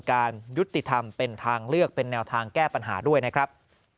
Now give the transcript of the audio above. การยุติธรรมเป็นทางเลือกเป็นแนวทางแก้ปัญหาด้วยนะครับ